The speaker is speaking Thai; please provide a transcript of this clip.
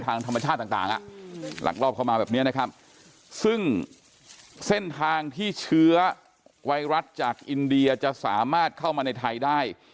ถึงเส้นทางที่เชื้อไวรัสจากอินเดียจะสามารถเข้ามาในไทยได้